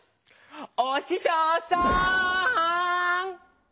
おししょうさん！